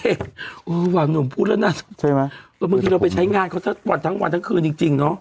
หนุ่มพูดแล้วนะใช่ไหมบางทีเราไปใช้งานเขาสักวันทั้งวันทั้งคืนจริงจริงเนอะ